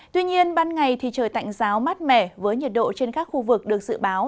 tuy nhiên ban ngày thì trời tạnh giáo mát mẻ với nhiệt độ trên các khu vực được dự báo